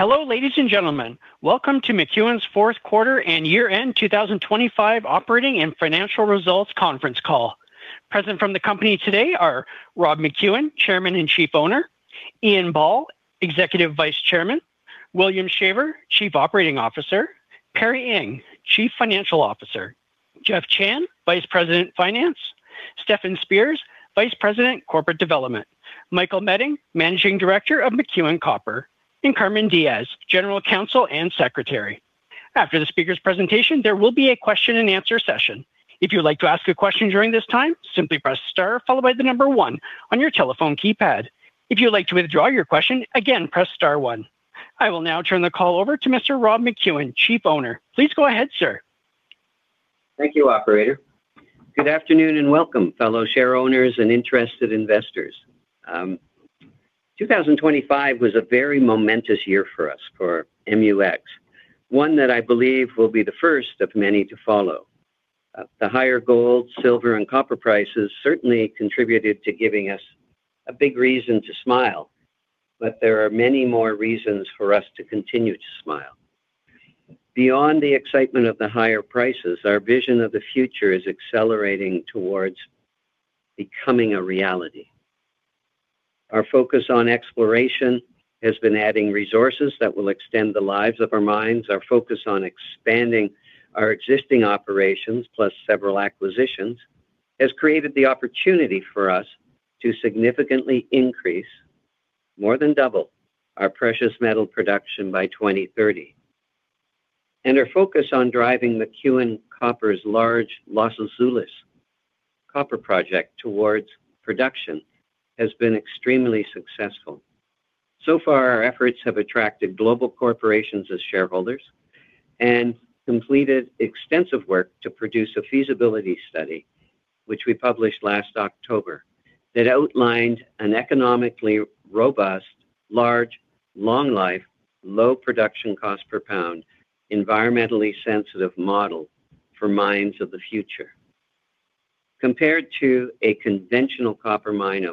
Hello, ladies and gentlemen. Welcome to McEwen's fourth quarter and year-end 2025 operating and financial results conference call. Present from the company today are Rob McEwen, Chairman and Chief Owner, Ian Ball, Executive Vice Chairman, William Shaver, Chief Operating Officer, Perry Ing, Chief Financial Officer, Jeff Chan, Vice President, Finance, Stefan Spears, Vice President, Corporate Development, Michael Meding, Managing Director of McEwen Copper, and Carmen Diges, General Counsel and Secretary. After the speakers' presentation, there will be a question and answer session. If you'd like to ask a question during this time, simply press star followed by the number one on your telephone keypad. If you'd like to withdraw your question, again, press star one. I will now turn the call over to Mr. Rob McEwen, Chief Owner. Please go ahead, sir. Thank you, operator. Good afternoon and welcome, fellow shareowners and interested investors. 2025 was a very momentous year for us, for MUX. One that I believe will be the first of many to follow. The higher gold, silver, and copper prices certainly contributed to giving us a big reason to smile, but there are many more reasons for us to continue to smile. Beyond the excitement of the higher prices, our vision of the future is accelerating towards becoming a reality. Our focus on exploration has been adding resources that will extend the lives of our mines. Our focus on expanding our existing operations, plus several acquisitions, has created the opportunity for us to significantly increase, more than double, our precious metal production by 2030. Our focus on driving McEwen Copper's large Los Azules copper project towards production has been extremely successful. So far, our efforts have attracted global corporations as shareholders and completed extensive work to produce a feasibility study, which we published last October, that outlined an economically robust, large, long life, low production cost per pound, environmentally sensitive model for mines of the future. Compared to a conventional copper mine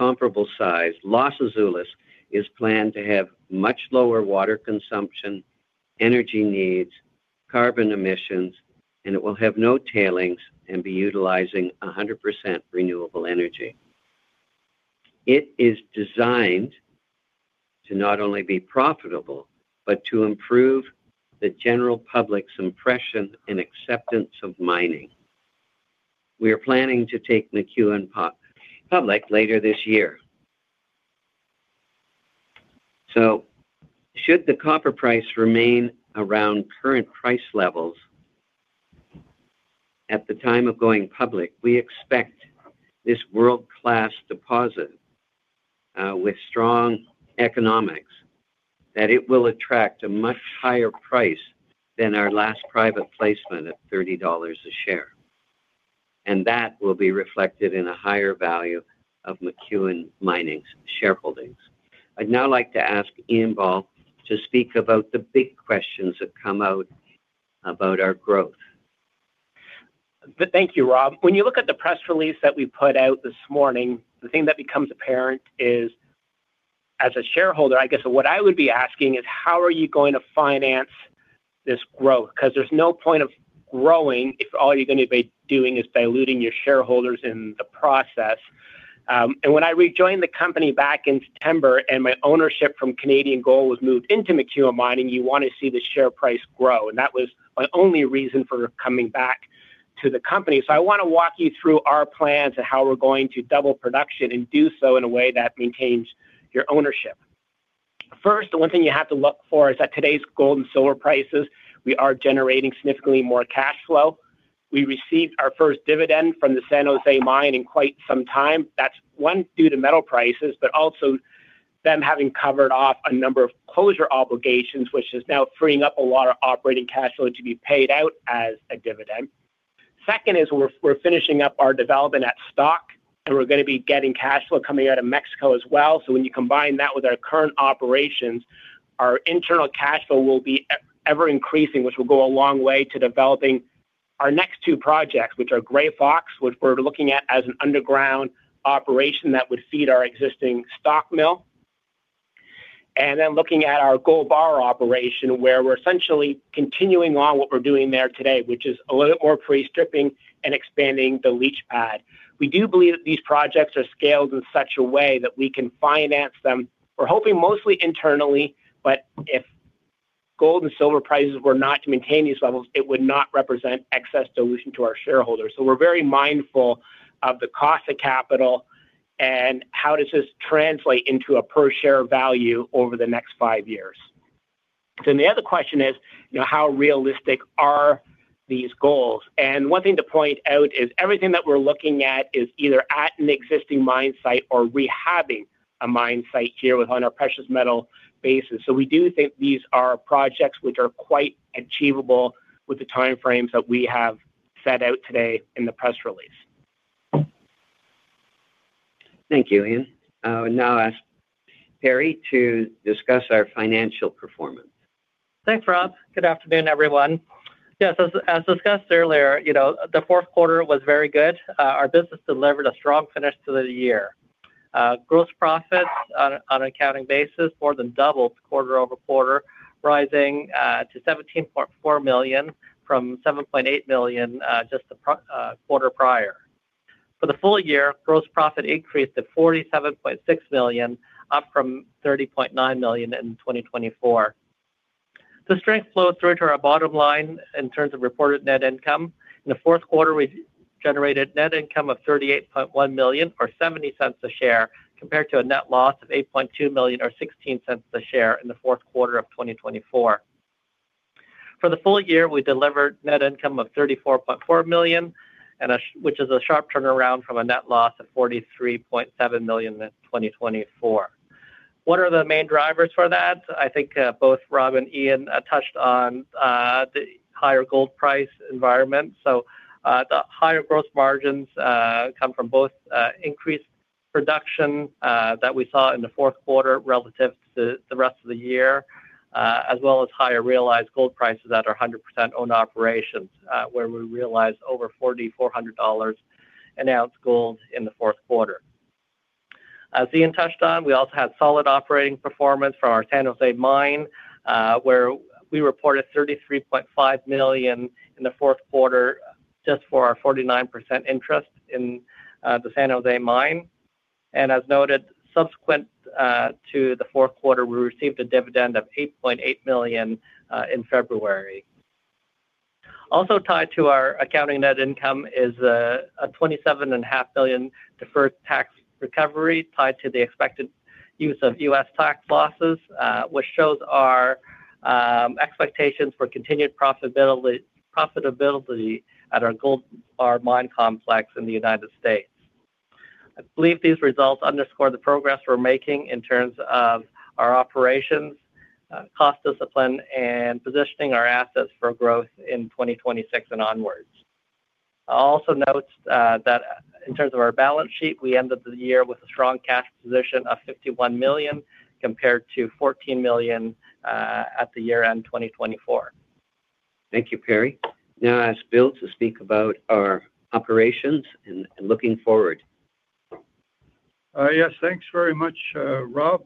of comparable size, Los Azules is planned to have much lower water consumption, energy needs, carbon emissions, and it will have no tailings and be utilizing 100% renewable energy. It is designed to not only be profitable, but to improve the general public's impression and acceptance of mining. We are planning to take McEwen public later this year. Should the copper price remain around current price levels at the time of going public, we expect this world-class deposit with strong economics that it will attract a much higher price than our last private placement at $30 a share, and that will be reflected in a higher value of McEwen Mining's shareholdings. I'd now like to ask Ian Ball to speak about the big questions that come out about our growth. Thank you, Rob. When you look at the press release that we put out this morning, the thing that becomes apparent is, as a shareholder, I guess what I would be asking is, how are you going to finance this growth? Because there's no point of growing if all you're going to be doing is diluting your shareholders in the process. When I rejoined the company back in September and my ownership from Canadian Gold was moved into McEwen Mining, you want to see the share price grow, and that was my only reason for coming back to the company. I want to walk you through our plans and how we're going to double production and do so in a way that maintains your ownership. First, the one thing you have to look for is at today's gold and silver prices, we are generating significantly more cash flow. We received our first dividend from the San José Mine in quite some time. That's, one, due to metal prices, but also them having covered off a number of closure obligations, which is now freeing up a lot of operating cash flow to be paid out as a dividend. Second is we're finishing up our development at Stock, and we're going to be getting cash flow coming out of Mexico as well. When you combine that with our current operations, our internal cash flow will be ever increasing, which will go a long way to developing our next two projects, which are Gray Fox, which we're looking at as an underground operation that would feed our existing Stock mill. Then looking at our Gold Bar operation, where we're essentially continuing on what we're doing there today, which is a little more pre-stripping and expanding the leach pad. We do believe that these projects are scaled in such a way that we can finance them. We're hoping mostly internally, but if gold and silver prices were not to maintain these levels, it would not represent excess dilution to our shareholders. We're very mindful of the cost of capital and how does this translate into a per share value over the next five years. The other question is, you know, how realistic are these goals? One thing to point out is everything that we're looking at is either at an existing mine site or rehabbing a mine site here within our precious metal bases. We do think these are projects which are quite achievable with the time frames that we have set out today in the press release. Thank you, Ian. I will now ask Perry to discuss our financial performance. Thanks, Rob. Good afternoon, everyone. Yes, as discussed earlier, you know, the fourth quarter was very good. Our business delivered a strong finish to the year. Gross profits on an accounting basis more than doubled quarter-over-quarter, rising to $17.4 million from $7.8 million just the quarter prior. For the full year, gross profit increased to $47.6 million, up from $30.9 million in 2024. The strength flowed through to our bottom line in terms of reported net income. In the fourth quarter, we generated net income of $38.1 million or $0.70 a share, compared to a net loss of $8.2 million or $0.16 a share in the fourth quarter of 2024. For the full year, we delivered net income of $34.4 million which is a sharp turnaround from a net loss of $43.7 million in 2024. What are the main drivers for that? I think, both Rob and Ian touched on, the higher gold price environment. The higher gross margins come from both increased production that we saw in the fourth quarter relative to the rest of the year, as well as higher realized gold prices at our 100% owned operations, where we realized over $4,400 an ounce gold in the fourth quarter. As Ian touched on, we also had solid operating performance for our San José Mine, where we reported $33.5 million in the fourth quarter just for our 49% interest in, the San José Mine. As noted, subsequent to the fourth quarter, we received a dividend of $8.8 million in February. Also tied to our accounting net income is a $27.5 million deferred tax recovery tied to the expected use of U.S. tax losses, which shows our expectations for continued profitability at our Gold Bar Mine complex in the United States. I believe these results underscore the progress we're making in terms of our operations, cost discipline, and positioning our assets for growth in 2026 and onwards. I also note that in terms of our balance sheet, we ended the year with a strong cash position of $51 million compared to $14 million at the year-end 2024. Thank you, Perry. Now I ask William to speak about our operations and looking forward. Yes. Thanks very much, Rob.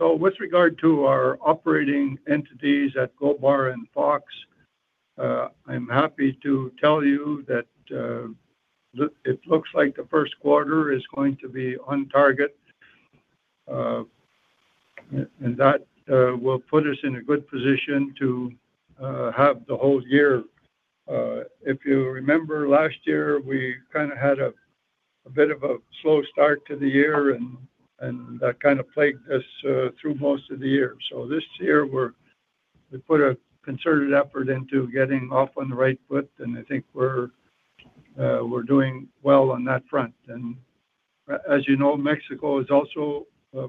With regard to our operating entities at Gold Bar and Fox, I'm happy to tell you that it looks like the first quarter is going to be on target, and that will put us in a good position to have the whole year. If you remember last year, we kind of had a bit of a slow start to the year and that kind of plagued us through most of the year. This year we put a concerted effort into getting off on the right foot, and I think we're doing well on that front. As you know, Mexico is also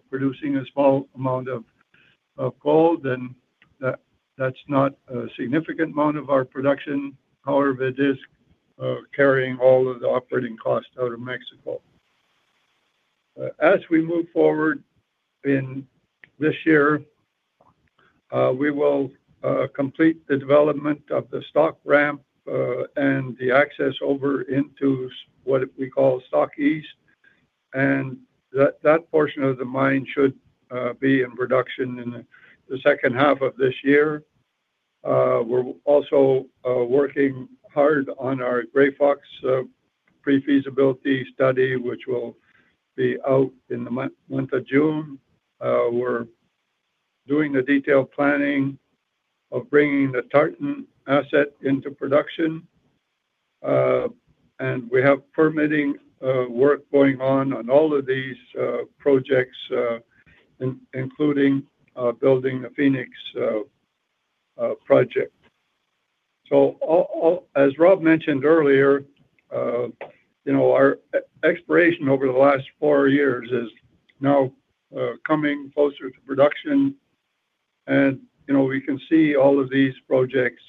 producing a small amount of gold and that's not a significant amount of our production. However, it is carrying all of the operating costs out of Mexico. As we move forward in this year, we will complete the development of the stock ramp, and the access over into what we call Stock East. That portion of the mine should be in production in the second half of this year. We're also working hard on our Gray Fox pre-feasibility study, which will be out in the month of June. We're doing the detailed planning of bringing the Tartan asset into production, and we have permitting work going on all of these projects, including building the Phoenix project. As Rob mentioned earlier, you know, our exploration over the last four years is now coming closer to production and, you know, we can see all of these projects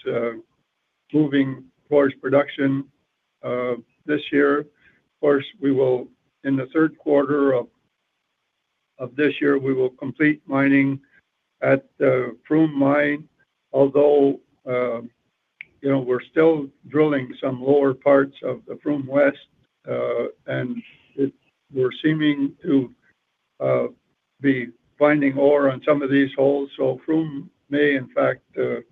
moving towards production this year. Of course, in the third quarter of this year, we will complete mining at the Froome Mine, although, you know, we're still drilling some lower parts of the Froome West and we're seeming to be finding ore on some of these holes. Froome may in fact, you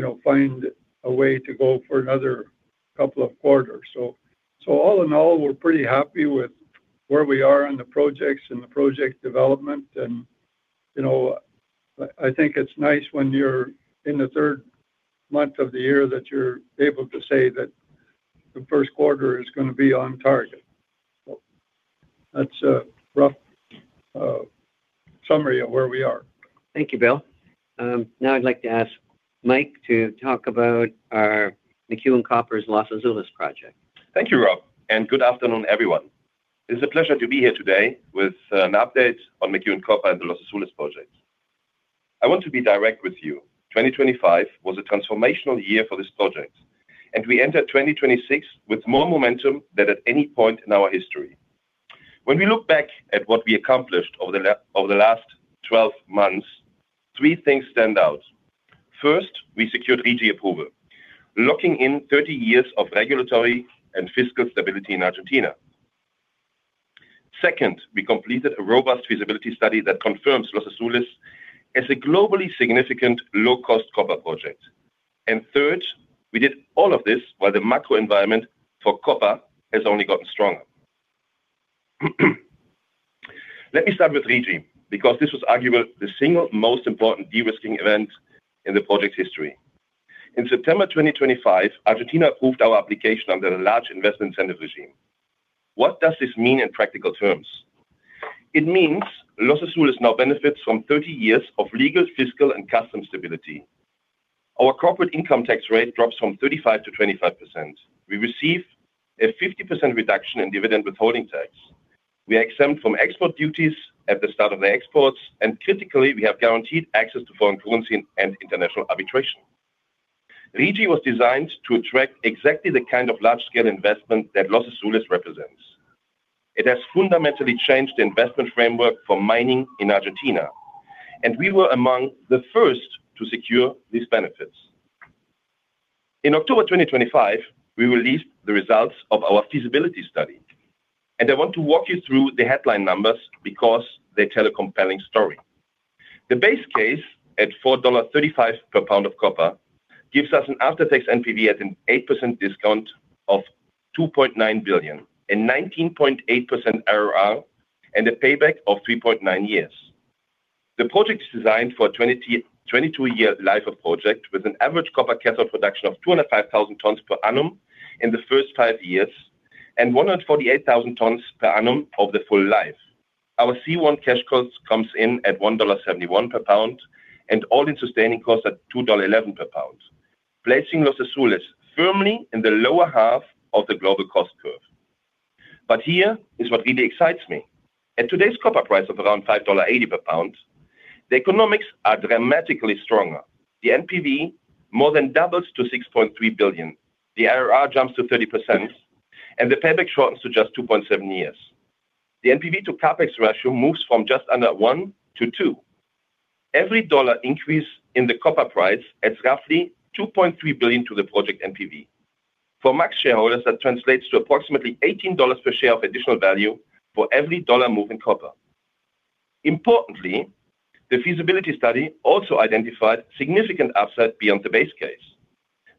know, find a way to go for another couple of quarters. All in all, we're pretty happy with where we are in the projects and the project development and, you know, I think it's nice when you're in the third month of the year that you're able to say that the first quarter is gonna be on target. That's a rough summary of where we are. Thank you, Bill. Now I'd like to ask Mike to talk about our McEwen Copper's Los Azules project. Thank you, Rob, and good afternoon, everyone. It is a pleasure to be here today with an update on McEwen Copper and the Los Azules project. I want to be direct with you. 2025 was a transformational year for this project, and we enter 2026 with more momentum than at any point in our history. When we look back at what we accomplished over the last 12 months, three things stand out. First, we secured RIGI approval, locking in 30 years of regulatory and fiscal stability in Argentina. Second, we completed a robust feasibility study that confirms Los Azules as a globally significant low-cost copper project. Third, we did all of this while the macro environment for copper has only gotten stronger. Let me start with RIGI, because this was arguably the single most important de-risking event in the project's history. In September 2025, Argentina approved our application under a large investment incentive regime. What does this mean in practical terms? It means Los Azules now benefits from 30 years of legal, fiscal, and customs stability. Our corporate income tax rate drops from 35%-25%. We receive a 50% reduction in dividend withholding tax. We are exempt from export duties at the start of the exports, and critically, we have guaranteed access to foreign currency and international arbitration. RIGI was designed to attract exactly the kind of large-scale investment that Los Azules represents. It has fundamentally changed the investment framework for mining in Argentina, and we were among the first to secure these benefits. In October 2025, we released the results of our feasibility study, and I want to walk you through the headline numbers because they tell a compelling story. The base case at $4.35 per pound of copper gives us an after-tax NPV at an 8% discount of $2.9 billion, a 19.8% IRR, and a payback of 3.9 years. The project is designed for a 22-year life of project with an average copper cathode production of 205,000 tons per annum in the first five years and 148,000 tons per annum of the full life. Our C1 cash cost comes in at $1.71 per pound and all-in sustaining costs at $2.11 per pound, placing Los Azules firmly in the lower half of the global cost curve. Here is what really excites me. At today's copper price of around $5.80 per pound, the economics are dramatically stronger. The NPV more than doubles to $6.3 billion. The IRR jumps to 30%, and the payback shortens to just 2.7 years. The NPV to CapEx ratio moves from just under 1-2. Every dollar increase in the copper price adds roughly $2.3 billion to the project NPV. For MAG shareholders, that translates to approximately $18 per share of additional value for every dollar move in copper. Importantly, the feasibility study also identified significant upside beyond the base case.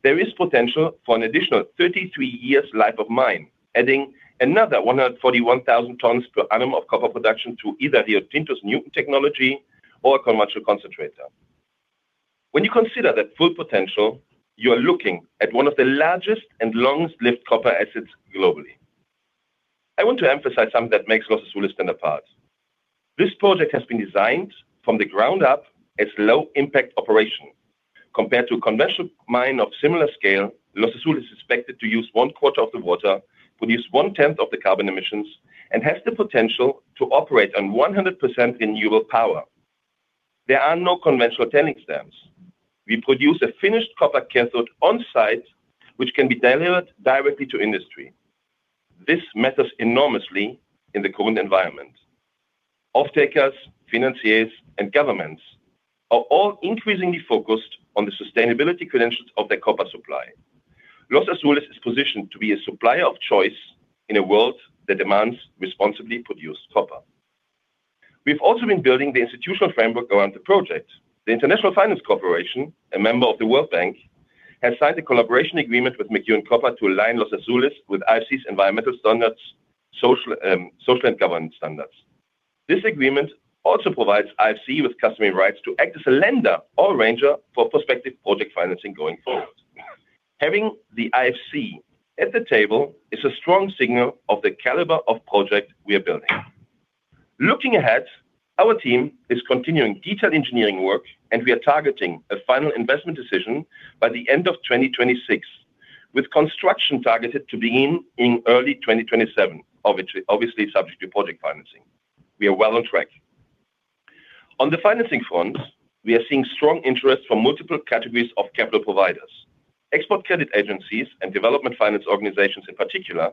There is potential for an additional 33 years life of mine, adding another 141,000 tons per annum of copper production to either Rio Tinto's Nuton technology or a commercial concentrator. When you consider that full potential, you are looking at one of the largest and longest-lived copper assets globally. I want to emphasize something that makes Los Azules stand apart. This project has been designed from the ground up as low impact operation. Compared to a conventional mine of similar scale, Los Azules is expected to use one quarter of the water, produce one-tenth of the carbon emissions, and has the potential to operate on 100% renewable power. There are no conventional tailing dams. We produce a finished copper cathode on-site which can be delivered directly to industry. This matters enormously in the current environment. Off-takers, financiers, and governments are all increasingly focused on the sustainability credentials of their copper supply. Los Azules is positioned to be a supplier of choice in a world that demands responsibly produced copper. We've also been building the institutional framework around the project. The International Finance Corporation, a member of the World Bank, has signed a collaboration agreement with McEwen Copper to align Los Azules with IFC's environmental standards, social and governance standards. This agreement also provides IFC with customary rights to act as a lender or arranger for prospective project financing going forward. Having the IFC at the table is a strong signal of the caliber of project we are building. Looking ahead, our team is continuing detailed engineering work, and we are targeting a final investment decision by the end of 2026, with construction targeted to begin in early 2027, obviously subject to project financing. We are well on track. On the financing front, we are seeing strong interest from multiple categories of capital providers. Export credit agencies and development finance organizations in particular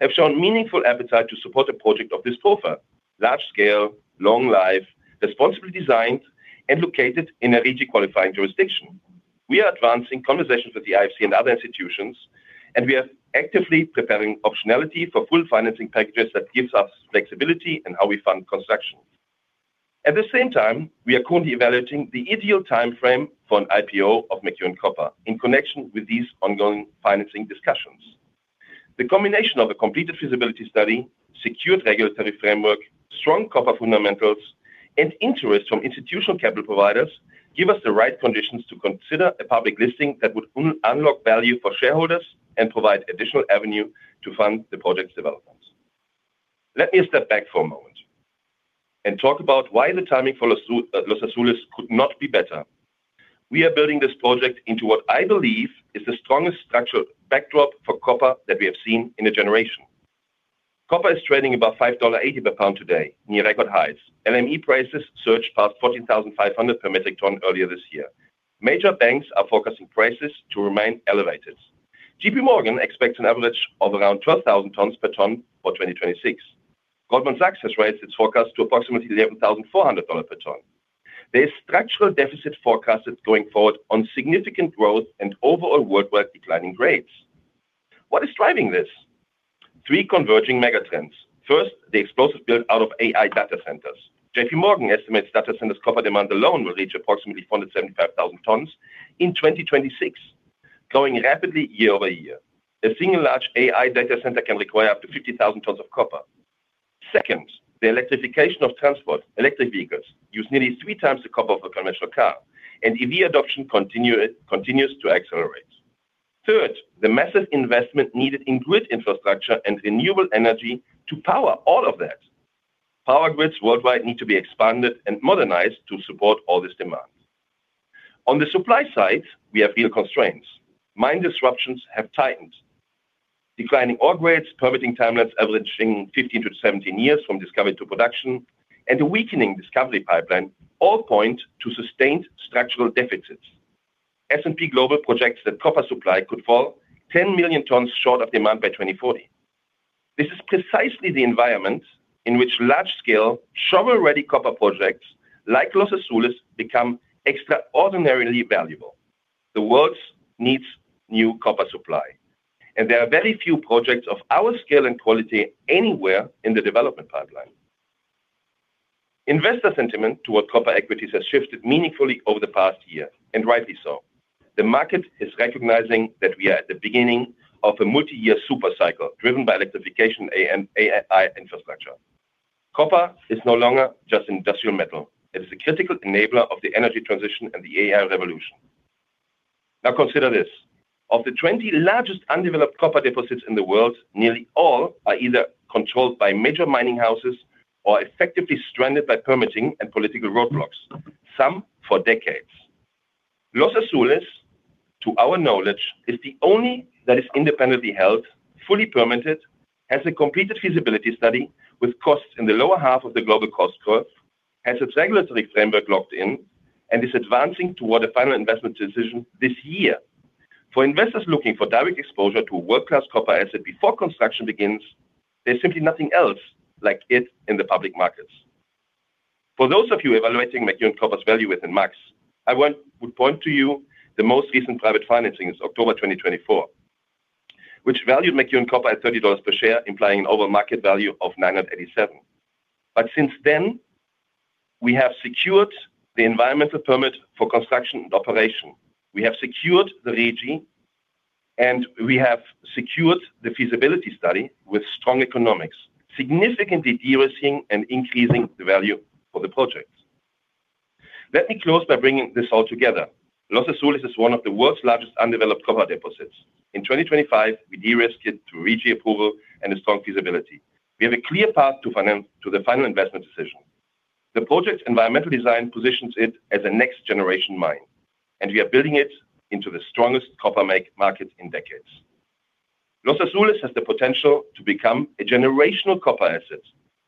have shown meaningful appetite to support a project of this profile, large scale, long life, responsibly designed, and located in a RIGI-qualifying jurisdiction. We are advancing conversations with the IFC and other institutions, and we are actively preparing optionality for full financing packages that gives us flexibility in how we fund construction. At the same time, we are currently evaluating the ideal timeframe for an IPO of McEwen Copper in connection with these ongoing financing discussions. The combination of a completed feasibility study, secured regulatory framework, strong copper fundamentals, and interest from institutional capital providers give us the right conditions to consider a public listing that would unlock value for shareholders and provide additional avenue to fund the project's development. Let me step back for a moment and talk about why the timing for Los Azules could not be better. We are building this project into what I believe is the strongest structural backdrop for copper that we have seen in a generation. Copper is trading above $5.80 per pound today, near record highs. LME prices surged past 14,500 per metric ton earlier this year. Major banks are forecasting prices to remain elevated. JP Morgan expects an average of around 12,000 dollars per ton for 2026. Goldman Sachs has raised its forecast to approximately $11,400 per ton. There is structural deficit forecasted going forward on significant growth and overall worldwide declining grades. What is driving this? Three converging mega trends. First, the explosive build out of AI data centers. JP Morgan estimates data centers copper demand alone will reach approximately 175,000 tons in 2026, growing rapidly year-over-year. A single large AI data center can require up to 50,000 tons of copper. Second, the electrification of transport. Electric vehicles use nearly 3x the copper of a conventional car, and EV adoption continues to accelerate. Third, the massive investment needed in grid infrastructure and renewable energy to power all of that. Power grids worldwide need to be expanded and modernized to support all this demand. On the supply side, we have real constraints. Mine disruptions have tightened. Declining ore grades, permitting timelines averaging 15-17 years from discovery to production, and a weakening discovery pipeline all point to sustained structural deficits. S&P Global projects that copper supply could fall 10 million tons short of demand by 2040. This is precisely the environment in which large-scale shovel-ready copper projects like Los Azules become extraordinarily valuable. The world needs new copper supply, and there are very few projects of our scale and quality anywhere in the development pipeline. Investor sentiment towards copper equities has shifted meaningfully over the past year, and rightly so. The market is recognizing that we are at the beginning of a multi-year super cycle driven by electrification and AI infrastructure. Copper is no longer just industrial metal. It is a critical enabler of the energy transition and the AI revolution. Now, consider this. Of the 20 largest undeveloped copper deposits in the world, nearly all are either controlled by major mining houses or effectively stranded by permitting and political roadblocks, some for decades. Los Azules, to our knowledge, is the only that is independently held, fully permitted, has a completed feasibility study with costs in the lower half of the global cost curve, has its regulatory framework locked in, and is advancing toward a final investment decision this year. For investors looking for direct exposure to a world-class copper asset before construction begins, there's simply nothing else like it in the public markets. For those of you evaluating McEwen Copper's value within MUX, I would point you to the most recent private financing is October 2024, which valued McEwen Copper at $30 per share, implying an overall market value of $987. Since then, we have secured the environmental permit for construction and operation. We have secured the RIGI, and we have secured the feasibility study with strong economics, significantly de-risking and increasing the value for the project. Let me close by bringing this all together. Los Azules is one of the world's largest undeveloped copper deposits. In 2025, we de-risked it through RIGI approval and a strong feasibility. We have a clear path to the final investment decision. The project's environmental design positions it as a next-generation mine, and we are building it into the strongest copper market in decades. Los Azules has the potential to become a generational copper asset,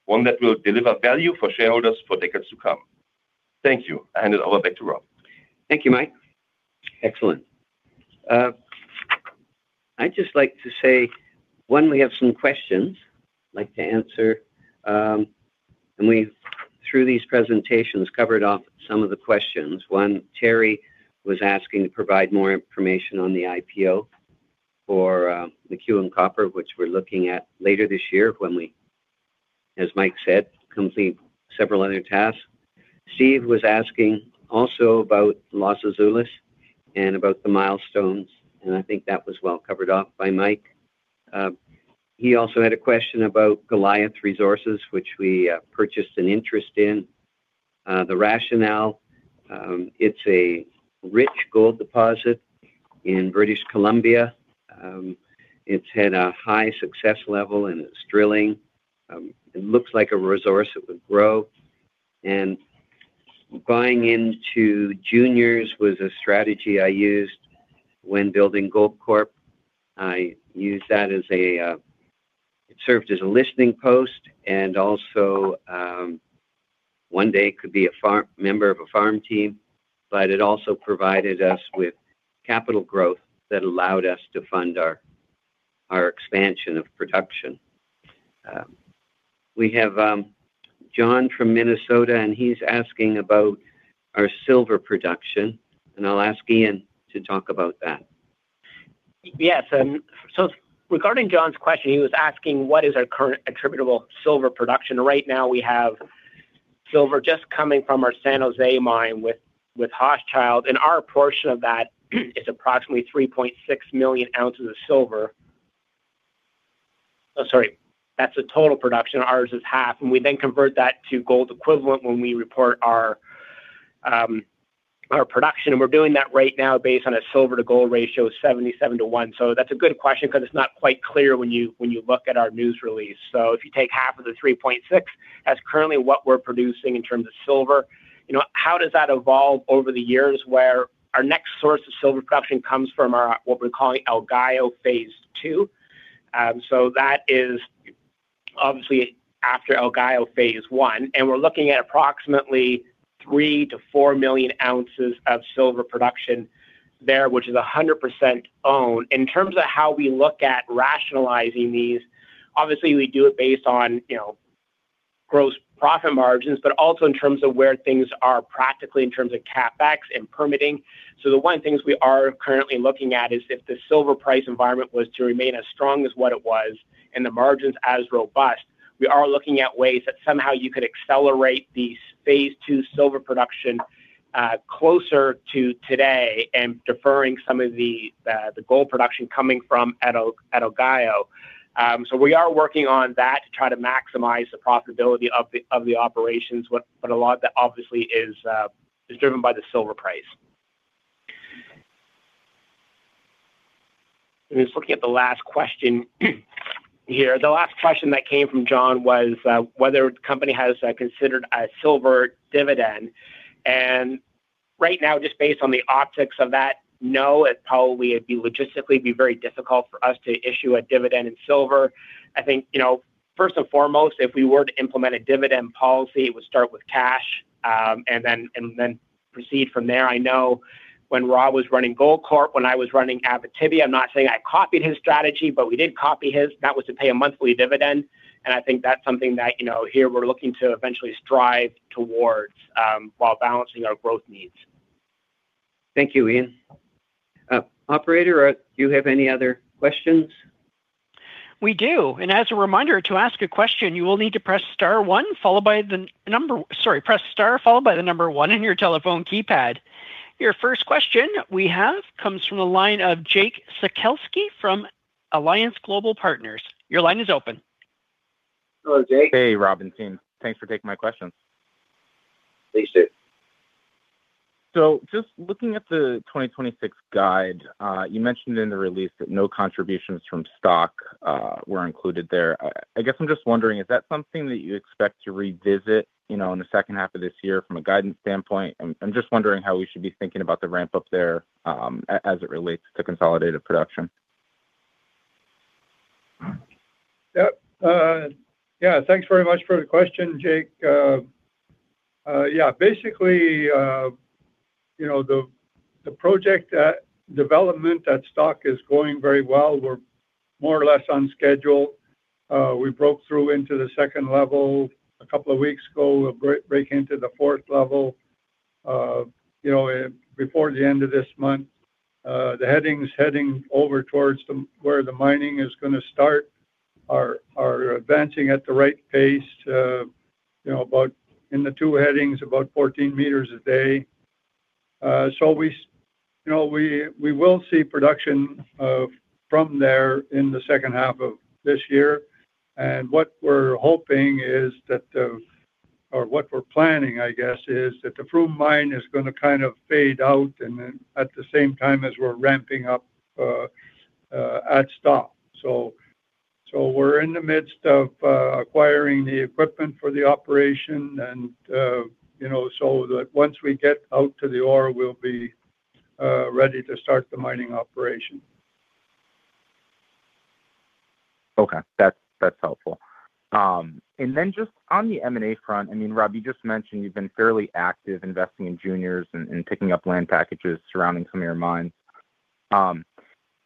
one that will deliver value for shareholders for decades to come. Thank you. I hand it over back to Rob. Thank you, Mike. Excellent. I'd just like to say, one, we have some questions I'd like to answer, and we've, through these presentations, covered off some of the questions. One, Perry was asking to provide more information on the IPO for McEwen Copper, which we're looking at later this year when we, as Mike said, complete several other tasks. Steve was asking also about Los Azules and about the milestones, and I think that was well covered off by Mike. He also had a question about Goliath Resources, which we purchased an interest in. The rationale, it's a rich gold deposit in British Columbia. It's had a high success level in its drilling. It looks like a resource that would grow. Buying into juniors was a strategy I used when building Goldcorp. I used that as a It served as a listening post, and also, one day could be a farm team member. But it also provided us with capital growth that allowed us to fund our expansion of production. We have John from Minnesota, and he's asking about our silver production. I'll ask Ian Ball to talk about that. Yes. Regarding John's question, he was asking what is our current attributable silver production. Right now, we have silver just coming from our San José mine with Hochschild. Our portion of that is approximately 3.6 million ounces of silver. That's the total production. Ours is half. We then convert that to gold equivalent when we report our production. We're doing that right now based on a silver to gold ratio of 77-1. That's a good question because it's not quite clear when you look at our news release. If you take half of the 3.6, that's currently what we're producing in terms of silver. You know, how does that evolve over the years where our next source of silver production comes from our, what we're calling El Gallo phase II. That is obviously after El Gallo phase I, and we're looking at approximately 3-4 million ounces of silver production there, which is 100% owned. In terms of how we look at rationalizing these, obviously we do it based on, you know, gross profit margins, but also in terms of where things are practically in terms of CapEx and permitting. The one thing we are currently looking at is if the silver price environment were to remain as strong as what it was and the margins as robust, we are looking at ways that somehow you could accelerate the phase II silver production closer to today and deferring some of the gold production coming from El Gallo. We are working on that to try to maximize the profitability of the operations. But a lot of that obviously is driven by the silver price. Just looking at the last question here. The last question that came from John was whether the company has considered a silver dividend. Right now, just based on the optics of that, no, it probably would logistically be very difficult for us to issue a dividend in silver. I think, you know, first and foremost, if we were to implement a dividend policy, it would start with cash, and then proceed from there. I know when Rob was running Goldcorp, when I was running Abitibi, I'm not saying I copied his strategy, but we did copy his. That was to pay a monthly dividend. I think that's something that, you know, here we're looking to eventually strive towards, while balancing our growth needs. Thank you, Ian. Operator, do you have any other questions? We do. As a reminder to ask a question, you will need to press star followed by the number one on your telephone keypad. Your first question we have comes from the line of Jake Sekelsky from Alliance Global Partners. Your line is open. Hello, Jake. Hey, Rob and team. Thanks for taking my questions. Please do. Just looking at the 2026 guide, you mentioned in the release that no contributions from Stock were included there. I guess I'm just wondering, is that something that you expect to revisit, you know, in the second half of this year from a guidance standpoint? I'm just wondering how we should be thinking about the ramp up there, as it relates to consolidated production. Yep. Thanks very much for the question, Jake. Yeah, basically, you know, the project development at Fox is going very well. We're more or less on schedule. We broke through into the second level a couple of weeks ago. We're breaking into the fourth level, you know, before the end of this month. The headings over towards where the mining is gonna start are advancing at the right pace, you know, about in the two headings, about 14 meters a day. We, you know, will see production from there in the second half of this year. What we're hoping is that the What we're planning, I guess, is that the Froome Mine is gonna kind of fade out and then at the same time as we're ramping up at Stock. We're in the midst of acquiring the equipment for the operation and, you know, so that once we get out to the ore, we'll be ready to start the mining operation. Okay. That's helpful. Just on the M&A front, I mean, Rob, you just mentioned you've been fairly active investing in juniors and picking up land packages surrounding some of your mines. Do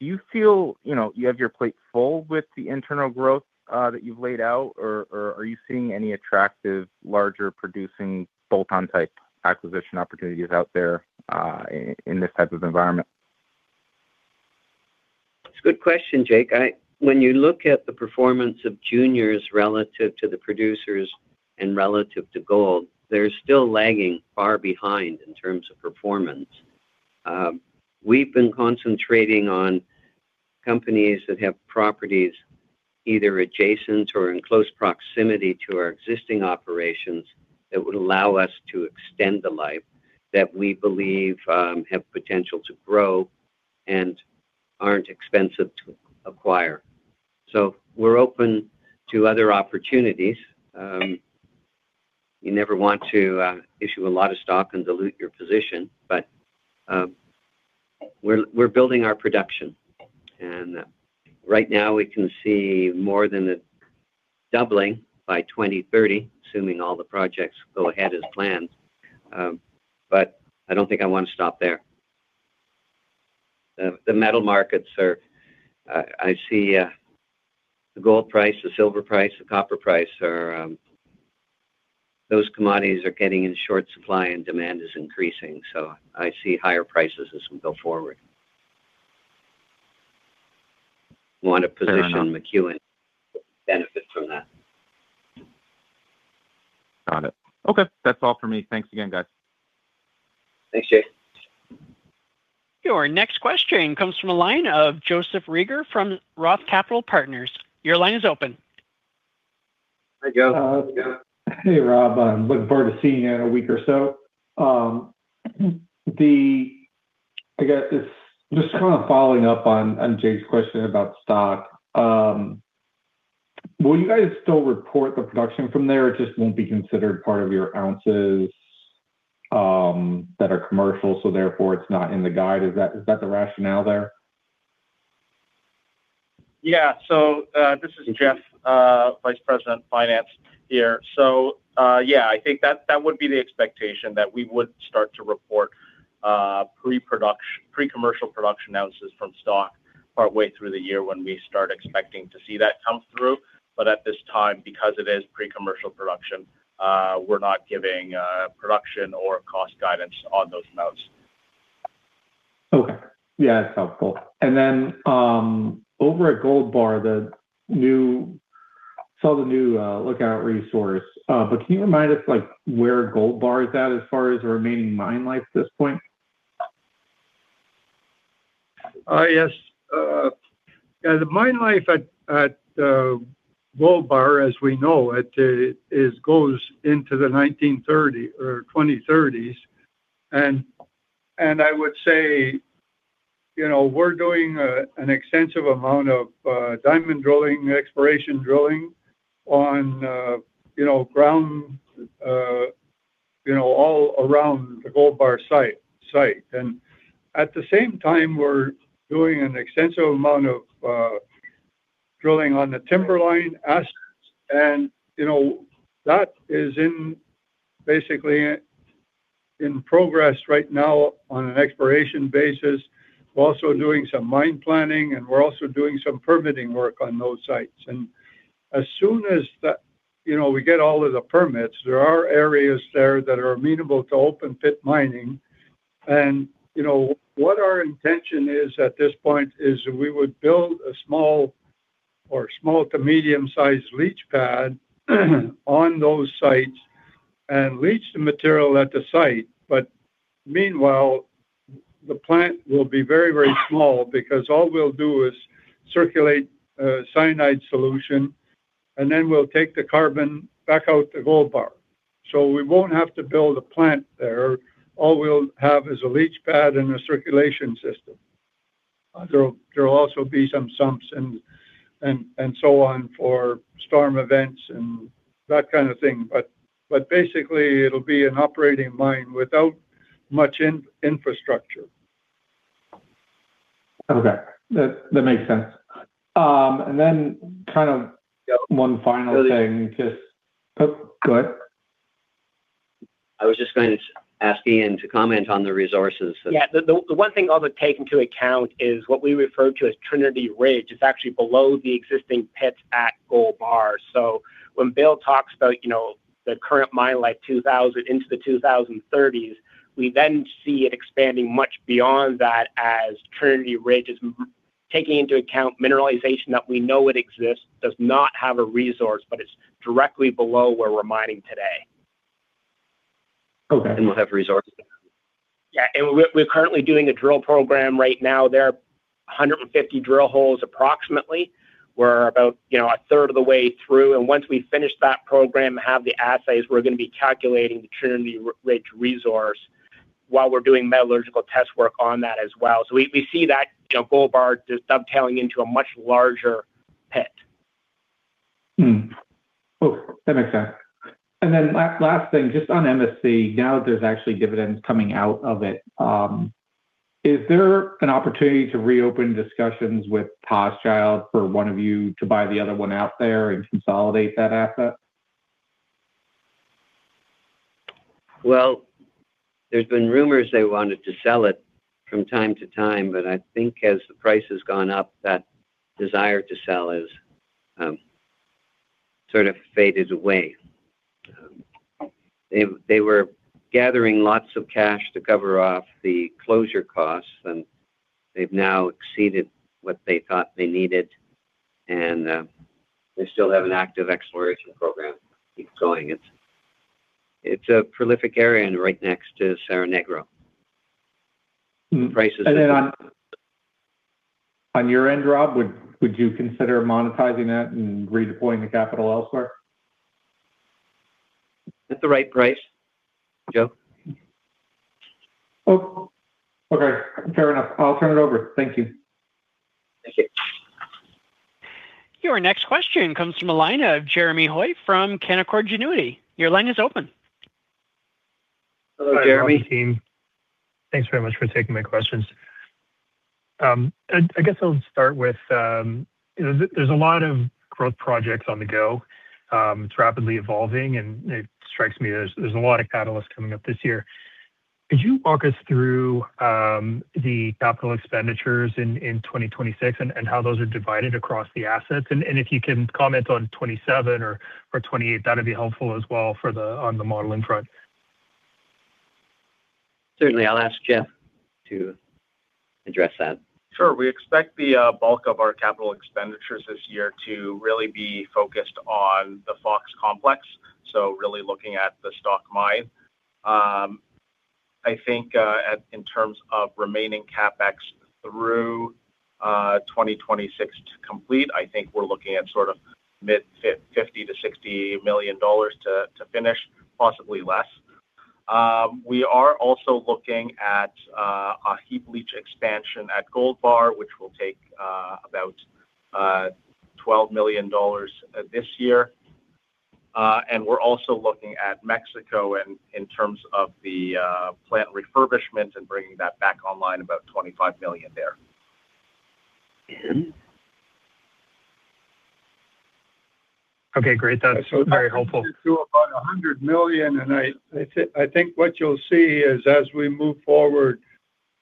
you feel, you know, you have your plate full with the internal growth that you've laid out? Or are you seeing any attractive larger producing bolt-on type acquisition opportunities out there in this type of environment? That's a good question, Jake. When you look at the performance of juniors relative to the producers and relative to gold, they're still lagging far behind in terms of performance. We've been concentrating on companies that have properties either adjacent or in close proximity to our existing operations that would allow us to extend the life that we believe have potential to grow and aren't expensive to acquire. We're open to other opportunities. You never want to issue a lot of stock and dilute your position, but we're building our production. Right now we can see more than a doubling by 2030, assuming all the projects go ahead as planned. I don't think I want to stop there. The metal markets are. I see the gold price, the silver price, the copper price are those commodities getting in short supply, and demand is increasing. I see higher prices as we go forward. Want a position on McEwen benefit from that. Got it. Okay. That's all for me. Thanks again, guys. Thanks, Jake. Your next question comes from the line of Joseph Reagor from Roth Capital Partners. Your line is open. Hi, Joe. How's it going? Hey, Rob. I'm looking forward to seeing you in a week or so. I guess it's just kind of following up on Jake's question about Fox. Will you guys still report the production from there? It just won't be considered part of your ounces. That are commercial, so therefore it's not in the guide. Is that the rationale there? Yeah. This is Jeff, Vice President, Finance here. Yeah, I think that would be the expectation that we would start to report pre-commercial production analysis from stock partway through the year when we start expecting to see that come through. At this time, because it is pre-commercial production, we're not giving production or cost guidance on those notes. Okay. Yeah, it's helpful. Then, over at Gold Bar, saw the new Lookout resource. Can you remind us, like, where Gold Bar is at as far as the remaining mine life at this point? Yes. Yeah, the mine life at Gold Bar, as we know, it goes into the 2030 or 2030s. I would say, you know, we're doing an extensive amount of diamond drilling and exploration drilling on, you know, ground, you know, all around the Gold Bar site. At the same time, we're doing an extensive amount of drilling on the Timberline assets. You know, that is basically in progress right now on an exploration basis. We're also doing some mine planning, and we're also doing some permitting work on those sites. As soon as that, you know, we get all of the permits, there are areas there that are amenable to open pit mining. You know, what our intention is at this point is we would build a small or small to medium-sized leach pad on those sites and leach the material at the site. Meanwhile, the plant will be very, very small because all we'll do is circulate a cyanide solution, and then we'll take the carbon back out to Gold Bar. We won't have to build a plant there. All we'll have is a leach pad and a circulation system. There'll also be some sumps and so on for storm events and that kind of thing. Basically, it'll be an operating mine without much infrastructure. Okay. That makes sense. Kind of one final thing. Go ahead. I was just going to ask Ian to comment on the resources. Yeah. The one thing I would take into account is what we refer to as Trinity Ridge. It's actually below the existing pits at Gold Bar. When Bill talks about, you know, the current mine life 2000 into the 2030s, we then see it expanding much beyond that as Trinity Ridge is taking into account mineralization that we know it exists, does not have a resource, but it's directly below where we're mining today. Okay. We'll have resources. Yeah. We're currently doing a drill program right now. There are 150 drill holes approximately. We're about, you know, a third of the way through. Once we finish that program and have the assays, we're gonna be calculating the Trinity Ridge resource while we're doing metallurgical test work on that as well. We see that Gold Bar just dovetailing into a much larger pit. Cool. That makes sense. Last thing, just on MSC, now there's actually dividends coming out of it. Is there an opportunity to reopen discussions with Hochschild for one of you to buy the other one out there and consolidate that asset? Well, there's been rumors they wanted to sell it from time to time, but I think as the price has gone up, that desire to sell has sort of faded away. They were gathering lots of cash to cover off the closure costs, and they've now exceeded what they thought they needed. They still have an active exploration program keep going. It's a prolific area and right next to Cerro Negro. The price is. On your end, Rob, would you consider monetizing that and redeploying the capital elsewhere? At the right price, Joe. Oh, okay. Fair enough. I'll turn it over. Thank you. Thank you. Your next question comes from a line of Jeremy Hoy from Canaccord Genuity. Your line is open. Hello, Jeremy. Hi, Rob and team. Thanks very much for taking my questions. I guess I'll start with, you know, there's a lot of growth projects on the go. It's rapidly evolving, and it strikes me there's a lot of catalysts coming up this year. Could you walk us through the capital expenditures in 2026 and how those are divided across the assets? If you can comment on 2027 or 2028, that'd be helpful as well for the model in front. Certainly. I'll ask Jeff to address that. Sure. We expect the bulk of our capital expenditures this year to really be focused on the Fox Complex, so really looking at the Stock Mine. I think in terms of remaining CapEx through 2026 to complete, I think we're looking at sort of mid-$50-$60 million to finish, possibly less. We are also looking at Heap leach expansion at Gold Bar, which will take about $12 million this year. We're also looking at Mexico in terms of the plant refurbishment and bringing that back online, about $25 million there. Okay, great. That's very helpful. That gets you to about $100 million. I think what you'll see is as we move forward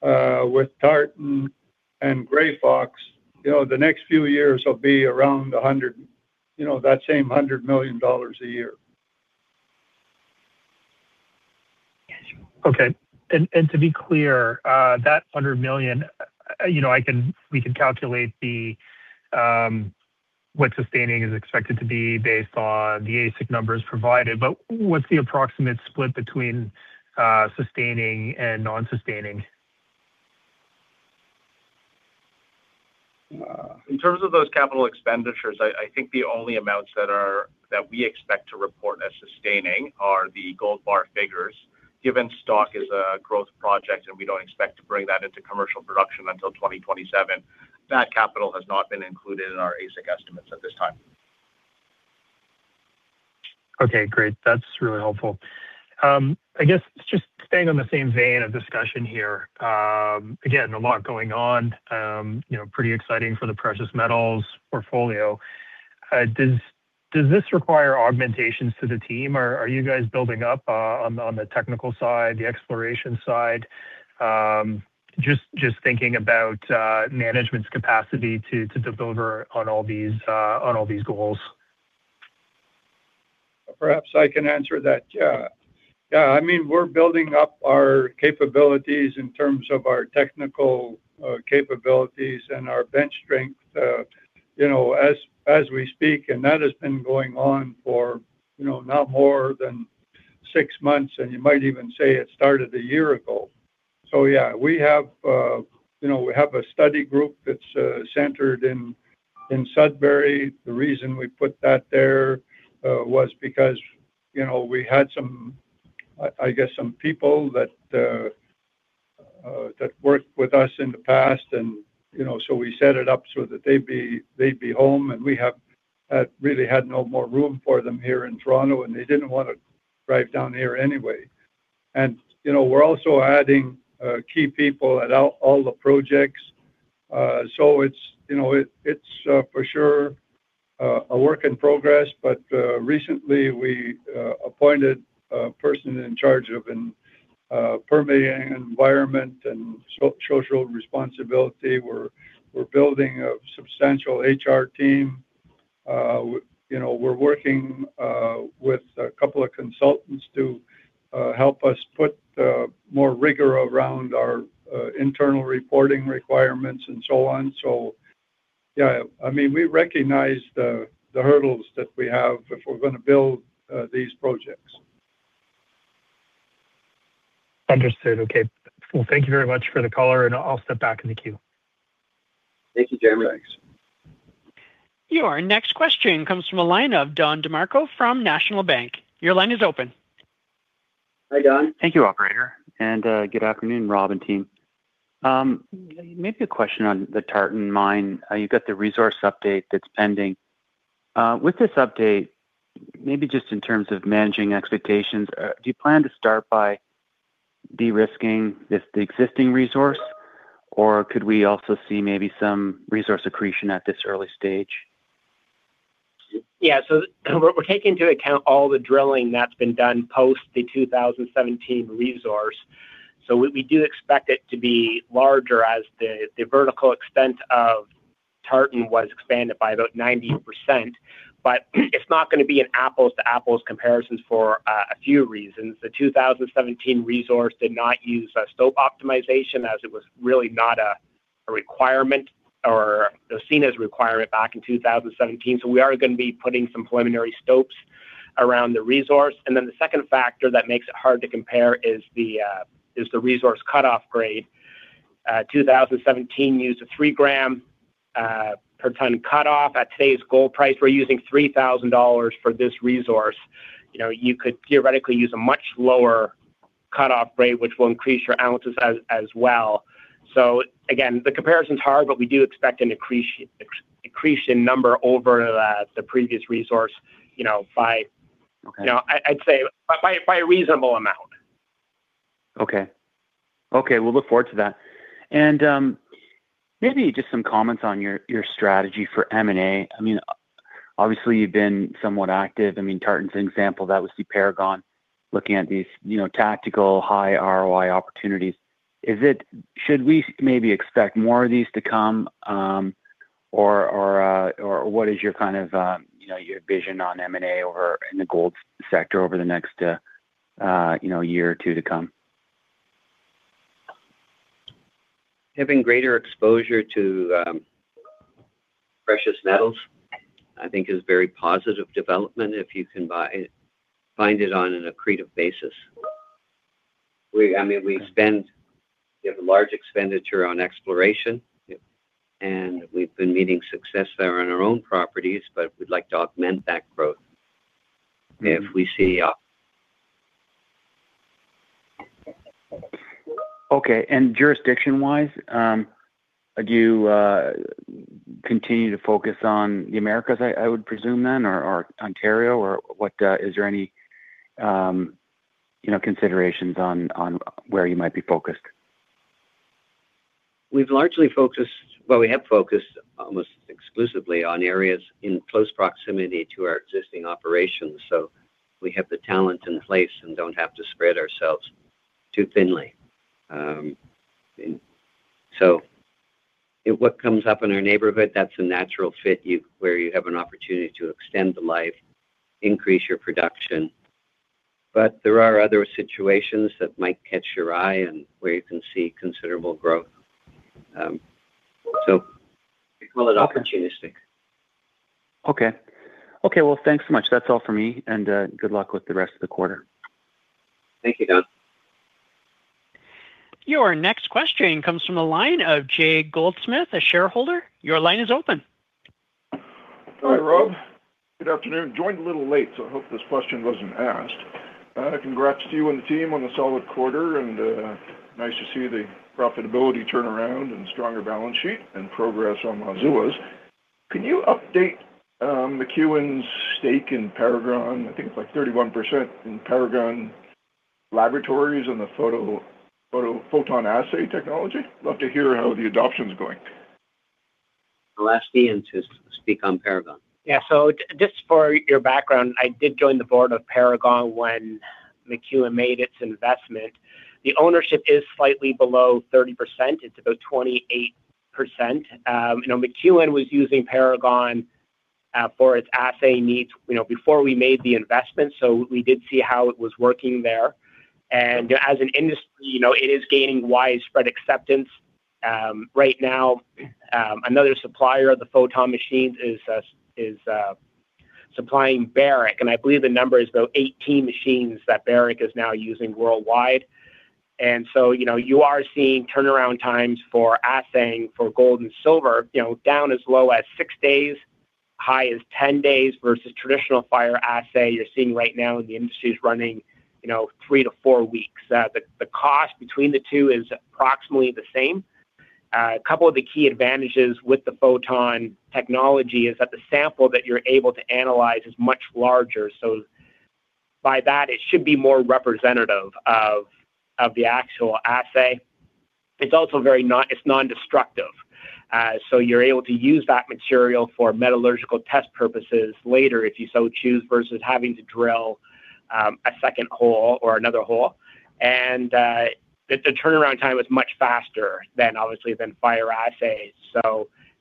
with Tartan and Grey Fox, you know, the next few years will be around $100, you know, that same $100 million a year. To be clear, that $100 million, you know, we can calculate what sustaining is expected to be based on the AISC numbers provided. What's the approximate split between sustaining and non-sustaining? In terms of those capital expenditures, I think the only amounts that we expect to report as sustaining are the Gold Bar figures. Given Stock is a growth project, and we don't expect to bring that into commercial production until 2027, that capital has not been included in our AISC estimates at this time. Okay, great. That's really helpful. I guess just staying on the same vein of discussion here, again, a lot going on, you know, pretty exciting for the precious metals portfolio. Does this require augmentations to the team? Are you guys building up, on the technical side, the exploration side? Just thinking about, management's capacity to deliver on all these goals. Perhaps I can answer that. Yeah. Yeah, I mean, we're building up our capabilities in terms of our technical capabilities and our bench strength, you know, as we speak. That has been going on for, you know, not more than six months, and you might even say it started a year ago. Yeah, we have, you know, we have a study group that's centered in Sudbury. The reason we put that there was because, you know, we had some, I guess some people that worked with us in the past and, you know, so we set it up so that they'd be home, and we have really had no more room for them here in Toronto, and they didn't wanna drive down here anyway. You know, we're also adding key people at all the projects. You know, it's for sure a work in progress. Recently we appointed a person in charge of permitting, environmental and social responsibility. We're building a substantial HR team. You know, we're working with a couple of consultants to help us put more rigor around our internal reporting requirements and so on. Yeah, I mean, we recognize the hurdles that we have if we're gonna build these projects. Understood. Okay. Well, thank you very much for the color, and I'll step back in the queue. Thank you, Jeremy. Thanks. Your next question comes from a line of Don DeMarco from National Bank. Your line is open. Hi, Don. Thank you, operator, and good afternoon, Rob and team. Maybe a question on the Tartan mine. You've got the resource update that's pending. With this update, maybe just in terms of managing expectations, do you plan to start by de-risking this, the existing resource, or could we also see maybe some resource accretion at this early stage? Yeah. We're taking into account all the drilling that's been done post the 2017 resource. We do expect it to be larger as the vertical extent of Tartan was expanded by about 90%. It's not gonna be an apples-to-apples comparison for a few reasons. The 2017 resource did not use a stope optimization as it was really not a requirement or it was seen as a requirement back in 2017. We are gonna be putting some preliminary stopes around the resource. The second factor that makes it hard to compare is the resource cutoff grade. 2017 used a three gram per ton cutoff. At today's gold price, we're using $3,000 for this resource. You know, you could theoretically use a much lower cutoff grade, which will increase your ounces as well. Again, the comparison's hard, but we do expect an accretion number over the previous resource, you know, by- Okay. You know, I'd say by a reasonable amount. Okay. Okay, we'll look forward to that. Maybe just some comments on your strategy for M&A. I mean, obviously you've been somewhat active. I mean, Tartan's an example. That was the Paragon looking at these, you know, tactical high ROI opportunities. Should we maybe expect more of these to come, or what is your kind of, you know, your vision on M&A or in the gold sector over the next, you know, year or two to come? Having greater exposure to precious metals, I think is very positive development if you can find it on an accretive basis. We, I mean, we spend, we have a large expenditure on exploration. Yep. We've been meeting success there on our own properties, but we'd like to augment that growth. If we see... Okay. Jurisdiction-wise, do you continue to focus on the Americas, I would presume then or Ontario or what, is there any, you know, considerations on where you might be focused? We've largely focused. Well, we have focused almost exclusively on areas in close proximity to our existing operations. We have the talent in place and don't have to spread ourselves too thinly. If what comes up in our neighborhood, that's a natural fit where you have an opportunity to extend the life, increase your production. But there are other situations that might catch your eye and where you can see considerable growth. We call it opportunistic. Okay. Well, thanks so much. That's all for me and good luck with the rest of the quarter. Thank you, Don. Your next question comes from the line of Jay Goldsmith, a shareholder. Your line is open. Hi, Rob. Good afternoon. Joined a little late, so I hope this question wasn't asked. Congrats to you and the team on the solid quarter and nice to see the profitability turnaround and stronger balance sheet and progress on Los Azules. Can you update McEwen's stake in Paragon? I think it's like 31% in Paragon Geochemical Laboratories and the photon assay technology. Love to hear how the adoption's going. I'll ask Ian to speak on Paragon. Yeah. Just for your background, I did join the board of Paragon when McEwen made its investment. The ownership is slightly below 30%. It's about 28%. You know, McEwen was using Paragon for its assay needs, you know, before we made the investment, so we did see how it was working there. As an industry, you know, it is gaining widespread acceptance. Right now, another supplier of the photon machines is supplying Barrick, and I believe the number is about 18 machines that Barrick is now using worldwide. You know, you are seeing turnaround times for assaying for gold and silver, you know, down as low as six days, high as 10 days versus traditional fire assay you're seeing right now in the industry is running, you know, 3-4 weeks. The cost between the two is approximately the same. A couple of the key advantages with the photon technology is that the sample that you're able to analyze is much larger. By that, it should be more representative of the actual assay. It's also non-destructive. You're able to use that material for metallurgical test purposes later if you so choose versus having to drill a second hole or another hole. The turnaround time is much faster than, obviously, fire assays.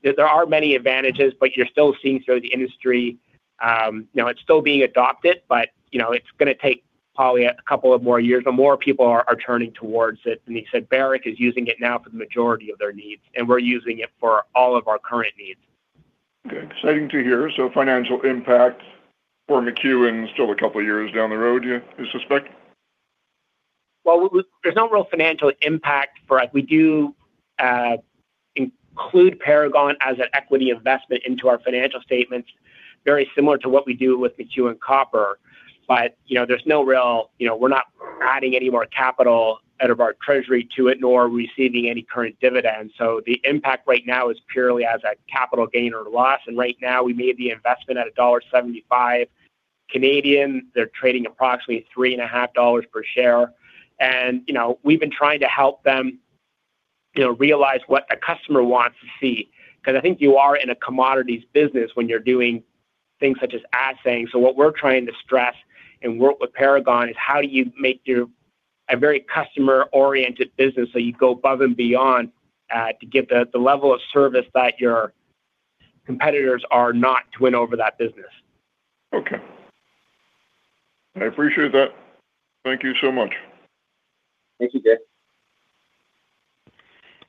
There are many advantages, but you're still seeing throughout the industry, you know, it's still being adopted, but, you know, it's gonna take probably a couple of more years. The more people are turning towards it. You said Barrick is using it now for the majority of their needs, and we're using it for all of our current needs. Okay. Exciting to hear. Financial impact for McEwen still a couple of years down the road, you suspect? Well, there's no real financial impact for us. We do include Paragon as an equity investment into our financial statements, very similar to what we do with McEwen Copper. You know, we're not adding any more capital out of our treasury to it, nor are we receiving any current dividends. The impact right now is purely as a capital gain or loss. Right now, we made the investment at 1.75 dollars. You know, we've been trying to help them, you know, realize what a customer wants to see. Because I think you are in a commodities business when you're doing things such as assaying. What we're trying to stress and work with Paragon is how do you make yours a very customer-oriented business, so you go above and beyond to give the level of service that your competitors are not to win over that business. Okay. I appreciate that. Thank you so much. Thank you, Jay.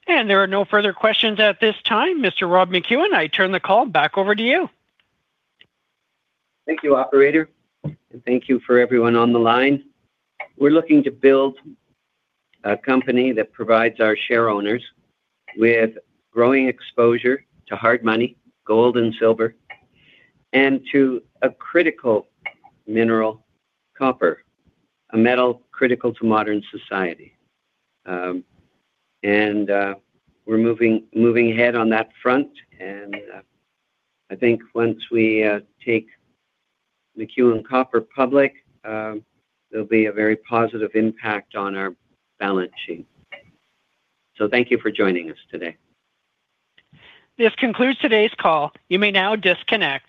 There are no further questions at this time. Mr. Rob McEwen, I turn the call back over to you. Thank you, operator. Thank you for everyone on the line. We're looking to build a company that provides our shareowners with growing exposure to hard money, gold and silver, and to a critical mineral, copper, a metal critical to modern society. We're moving ahead on that front, and I think once we take McEwen Copper public, there'll be a very positive impact on our balance sheet. Thank you for joining us today. This concludes today's call. You may now disconnect.